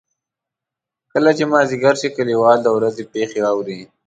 کله چې مازدیګر شي کلیوال د ورځې پېښې اوري.